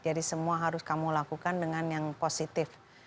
jadi semua harus kamu lakukan dengan yang positif